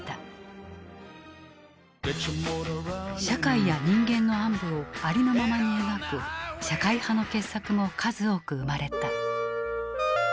社会や人間の暗部をありのままに描く社会派の傑作も数多く生まれた。